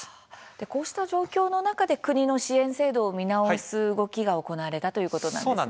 こうした状況の中で国の支援制度を見直す動きが行われたということなんですね。